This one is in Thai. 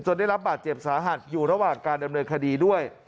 ได้รับบาดเจ็บสาหัสอยู่ระหว่างการดำเนินคดีด้วย